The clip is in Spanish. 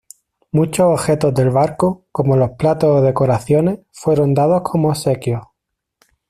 Muchos objetos del barco, como los platos o decoraciones, fueron dados como obsequios.